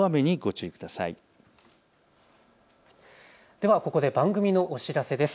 ではここで番組のお知らせです。